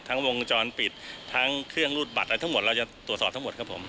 วงจรปิดทั้งเครื่องรูดบัตรอะไรทั้งหมดเราจะตรวจสอบทั้งหมดครับผม